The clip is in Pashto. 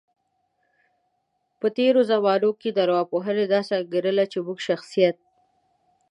په تیرو زمانو کې ارواپوهانو داسې انګیرله، چی موږ د شخصیت